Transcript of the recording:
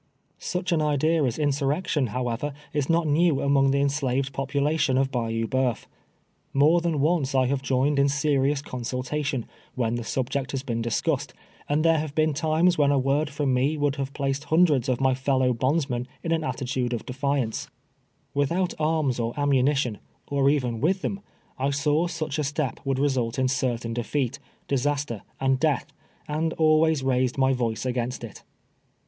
Such an idea as insurrection, however, is not new among the enslaved ])Oinilation of Bayou B(X>uf. More than oiice I have joined in serious consultation, A\heu the subject has been discussed, and there have been times when a word from me would have placed hun di'cds of my fellow bondsmen in an attitude of defi THE IDEA OF INSrREECTION. 240 ance. TTitlioiit arms or ammunition, or even with them, I saw such a step would result in certain defeat, disaster and death, and always raised my voice against it.